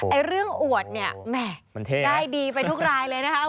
เรื่องอวดเนี่ยแหม่ได้ดีไปทุกรายเลยนะคะ